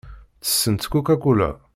Ttessent Coca-Cola.